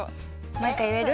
マイカいえる？